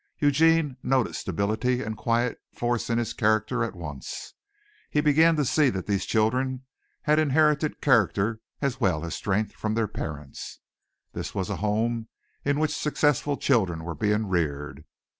Eugene noted stability and quiet force in his character at once. He began to see that these children had inherited character as well as strength from their parents. This was a home in which successful children were being reared.